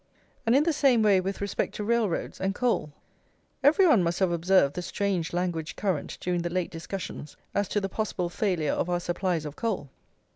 And in the same way with respect to railroads and coal. Every one must have observed the strange language current during the late discussions as to the possible failure of our supplies of coal.